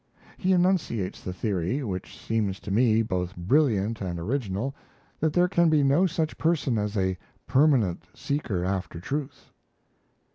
He enunciates the theory, which seems to me both brilliant and original, that there can be no such person as a permanent seeker after truth.